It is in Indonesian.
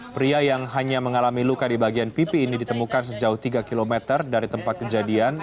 pria yang hanya mengalami luka di bagian pipi ini ditemukan sejauh tiga km dari tempat kejadian